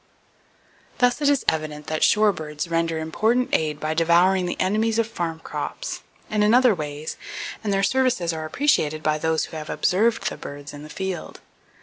Thus it is evident that shorebirds render important aid by devouring the enemies of farm crops and in other ways, and their services are appreciated by those who have observed the birds in the field.